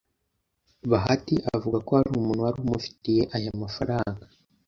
Bahati avuga ko hari umuntu wari umufitiye aya mafaranga